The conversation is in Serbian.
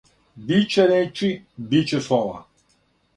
Биће речи, биће слова!